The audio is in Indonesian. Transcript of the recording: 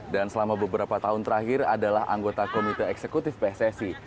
dan selama beberapa tahun terakhir adalah anggota komite eksekutif pssi